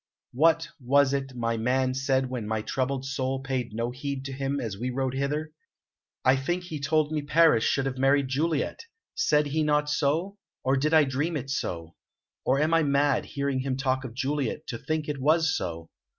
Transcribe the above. What was it my man said when my troubled soul paid no heed to him as we rode hither? I think he told me Paris should have married Juliet. Said he not so? Or did I dream it so? Or am I mad, hearing him talk of Juliet, to think it was so?